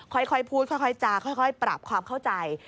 ค่อยพูดค่อยจาค่อยปรับความเข้าใจ